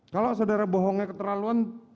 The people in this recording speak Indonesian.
kalau saudara bohongnya keterlaluan